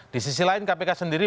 di sisi lain kpk sendiri